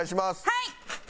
はい！